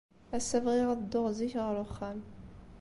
Ass-a, bɣiɣ ad dduɣ zik ɣer uxxam.